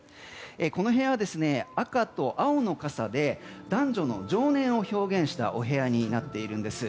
この部屋は赤と青の傘で男女の情念を表現したお部屋になっているんです。